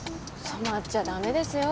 染まっちゃ駄目ですよ